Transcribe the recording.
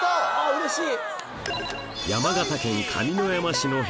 うれしい。